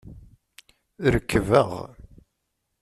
Rekbeɣ.